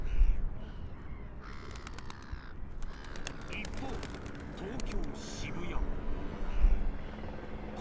一方東京・渋谷